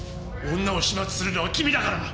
女を始末するのは君だからな！